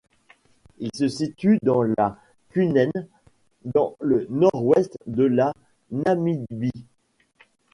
Il se situe dans la Kunene, dans le nord-ouest de la Namibie.